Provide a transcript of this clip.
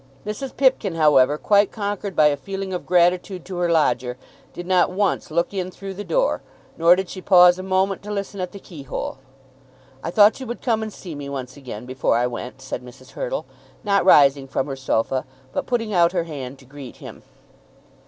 Mrs. Pipkin, however, quite conquered by a feeling of gratitude to her lodger, did not once look in through the door, nor did she pause a moment to listen at the keyhole. "I thought you would come and see me once again before I went," said Mrs. Hurtle, not rising from her sofa, but putting out her hand to greet him.